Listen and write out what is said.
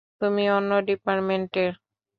তুমি অন্য ডিপার্টমেন্টের?